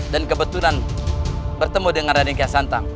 dan kebetulan bertemu dengan raden kiasantang